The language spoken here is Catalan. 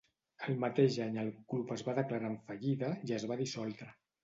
El mateix any el club es va declarar en fallida i es va dissoldre.